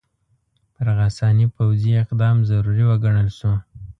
پر غساني پوځي اقدام ضروري وګڼل شو.